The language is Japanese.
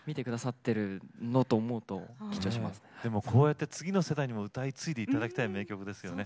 でもこうやって次の世代にも歌い継いでいただきたい名曲ですよね。